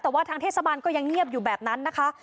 แต่ว่าทางเทศบาลก็ยังเงียบอยู่แบบนั้นนะคะ